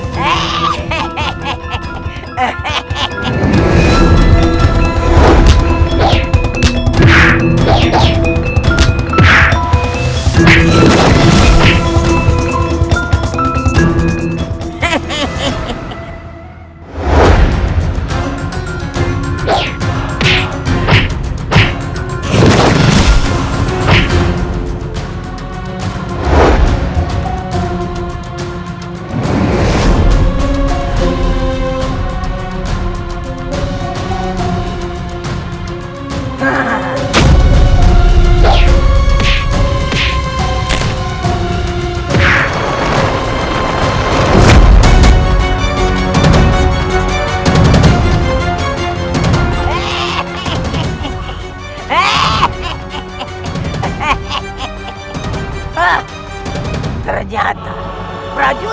kau bisa menangkapku